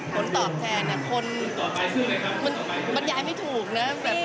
พี่ภาพแทนเนี่ยคนมันไยไม่ถูกนะ